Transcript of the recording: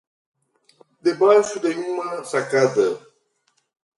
De baixo de uma sacada.